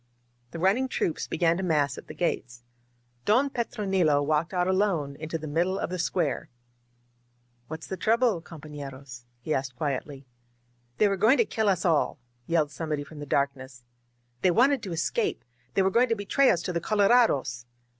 *' The run ning troops began to mass at the gates. Don Petro* nilo walked out alone into the middle of the square. "What's the trouble, compoflerosf he asked quietly. "They were going to kill us all!" yelled somebody from the darkness. "They wanted to escape! They were going to betray us to the colorados!"